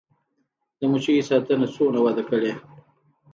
د مچیو ساتنه څومره وده کړې؟